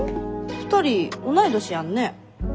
２人同い年やんね。